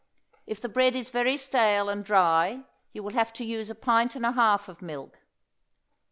If the bread is very stale and dry you will have to use a pint and a half of milk.